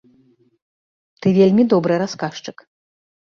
Ты вельмі добры расказчык!